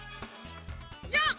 よっ！